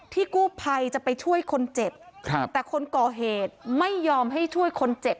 กู้ภัยจะไปช่วยคนเจ็บครับแต่คนก่อเหตุไม่ยอมให้ช่วยคนเจ็บ